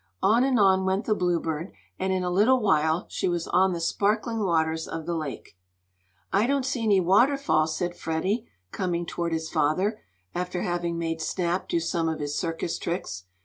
On and on went the Bluebird, and, in a little while, she was on the sparkling waters of the lake. "I don't see any waterfall," said Freddie, coming toward his father, after having made Snap do some of his circus tricks.